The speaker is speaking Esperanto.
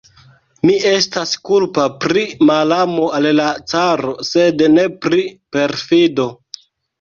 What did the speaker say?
Mi estas kulpa pri malamo al la caro, sed ne pri perfido!